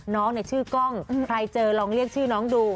น้องชื่อกล้องใครเจอลองเรียกชื่อน้องดู